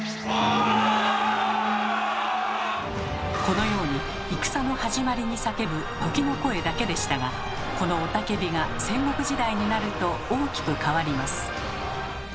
このように戦の始まりに叫ぶ鬨の声だけでしたがこの雄たけびが戦国時代になると大きく変わります。